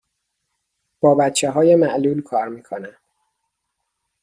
با بچه های معلول کار می کنم.